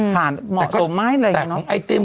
ผ่านเหมาะโตไม้อะไรอย่างนั้น